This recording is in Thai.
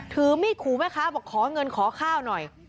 ถือมีดขู่แม่ค้าบอกขอเงินขอข้าวหน่อย